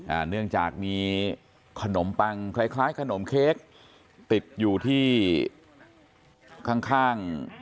เนื่องจากมีขนมปังคล้ายคล้ายขนมเค้กติดอยู่ที่ข้างข้าง